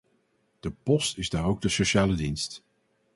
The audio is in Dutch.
De post is daar ook de sociale dienst.